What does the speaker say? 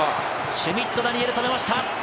シュミット・ダニエル、止めました！